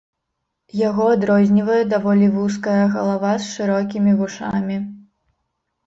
Яго адрознівае даволі вузкая галава з шырокімі вушамі.